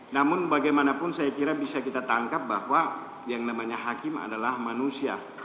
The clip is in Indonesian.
namun bagaimanapun saya kira bisa kita tangkap bahwa yang namanya hakim adalah manusia